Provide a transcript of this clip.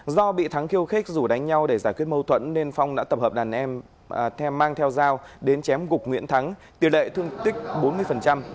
do bị thắng khiêu khích dù đánh nhau để giải quyết mâu thuẫn nên phong đã tập hợp đàn em mang theo dao đến chém gục nguyễn thắng tỷ lệ thương tích bốn mươi